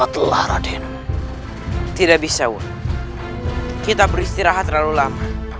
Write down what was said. tidak bisa kita beristirahat terlalu lama